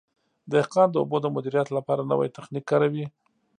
دهقان د اوبو د مدیریت لپاره نوی تخنیک کاروي.